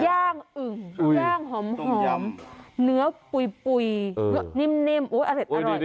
ย่างอึ่งย่างหอมเนื้อปุ๋ยนิ่มอร่อย